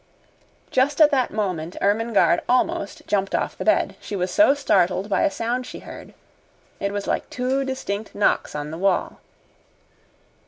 Just at that moment Ermengarde almost jumped off the bed, she was so startled by a sound she heard. It was like two distinct knocks on the wall.